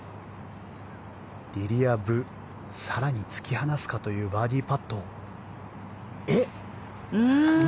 リリア・ブ更に突き放すかというバーディーパット。